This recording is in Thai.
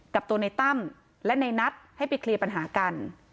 กับตัวในตั้มและในนัดให้ไปเคลียร์ปัญหากัน